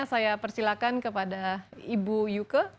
saya persilakan kepada ibu yuke